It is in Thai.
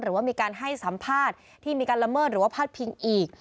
หรือว่ามีการให้สัมภาษณ์ที่มีการละเมิดหรือว่าพาดพิงอีก